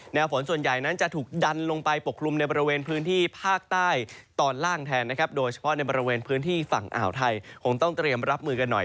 ฝนส่วนใหญ่นั้นจะถูกดันลงไปปกคลุมในบริเวณพื้นที่ภาคใต้ตอนล่างแทนนะครับโดยเฉพาะในบริเวณพื้นที่ฝั่งอ่าวไทยคงต้องเตรียมรับมือกันหน่อย